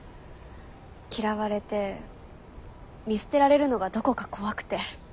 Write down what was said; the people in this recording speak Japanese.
嫌われて見捨てられるのがどこか怖くて。